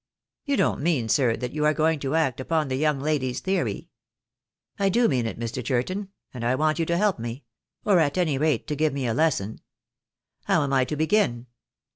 "You don't mean, sir, that you are going to act upon the young lady's theory?" "I do mean it, Mr. Churton, and I want you to help me; or at any rate to give me a lesson. How am I to begin?"